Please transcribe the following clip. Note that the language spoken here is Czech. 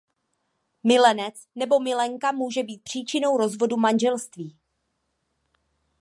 Milenec nebo milenka může být příčinou rozvodu manželství.